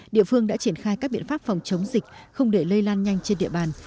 địa phương đã triển khai các biện pháp phòng chống dịch không để lây lan nhanh trên địa bàn